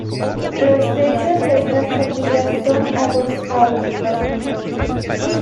Los techos de estas capillas son a dos aguas.